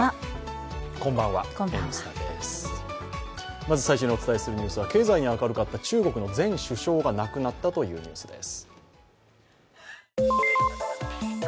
まず最初にお伝えするのは経済に明るかった中国の前首相が亡くなったというニュースです。